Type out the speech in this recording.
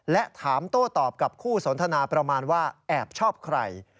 และถามโต้ตอบกับคู่สนทนาประมาณว่าแอบชอบใคร